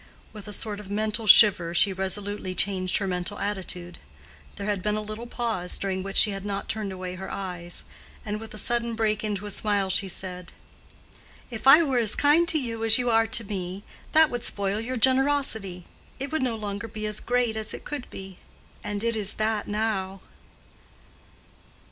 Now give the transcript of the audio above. With a sort of mental shiver, she resolutely changed her mental attitude. There had been a little pause, during which she had not turned away her eyes; and with a sudden break into a smile, she said, "If I were as kind to you as you are to me, that would spoil your generosity: it would no longer be as great as it could be—and it is that now."